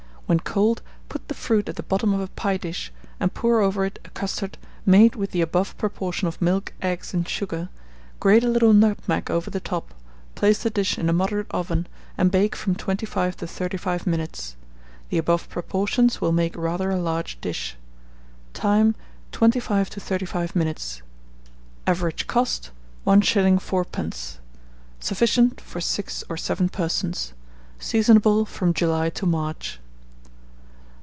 When cold, put the fruit at the bottom of a pie dish, and pour over it a custard, made with the above proportion of milk, eggs, and sugar; grate a little nutmeg over the top, place the dish in a moderate oven, and bake from 25 to 35 minutes. The above proportions will make rather a large dish. Time. 25 to 35 minutes. Average cost, 1s. 4d. Sufficient for 6 or 7 persons. Seasonable from July to March.